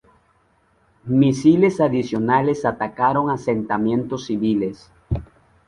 Misiles adicionales atacaron asentamientos civiles.